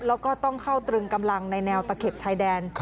แล้วก็ต้องเข้าตรึงกำลังในแนวตะเข็บชายแดน